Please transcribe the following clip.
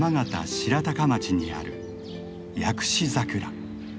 白鷹町にある薬師桜。